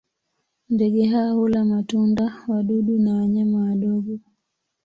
Ndege hawa hula matunda, wadudu na wanyama wadogo.